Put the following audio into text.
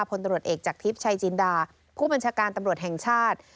พลตำรวจเอกจากทิพย์ชัยจินดาผู้บัญชาการตำรวจแห่งชาติ